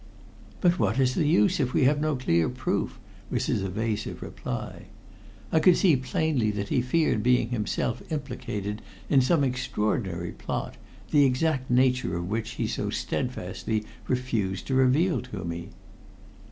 "But what is the use, if we have no clear proof?" was his evasive reply. I could see plainly that he feared being himself implicated in some extraordinary plot, the exact nature of which he so steadfastly refused to reveal to me.